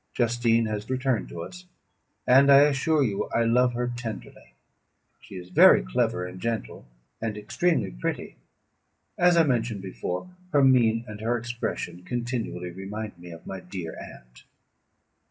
Justine has returned to us; and I assure you I love her tenderly. She is very clever and gentle, and extremely pretty; as I mentioned before, her mien and her expressions continually remind me of my dear aunt.